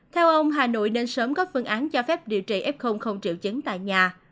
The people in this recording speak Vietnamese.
theo ông hà nội nên sớm có phương án cho phép điều trị f không triệu chứng tại nhà